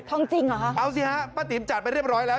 จริงเหรอฮะเอาสิฮะป้าติ๋มจัดไปเรียบร้อยแล้ว